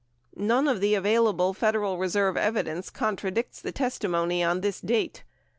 None of the available Federal Reserve evidence contradicts the testimony on this date.